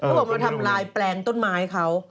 เขาบอกมาทำลายแปลงต้นไม้เขา